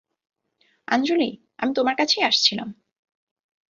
আঞ্জলি আমি তোমার কাছেই আসছিলাম।